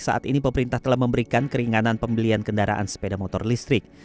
saat ini pemerintah telah memberikan keringanan pembelian kendaraan sepeda motor listrik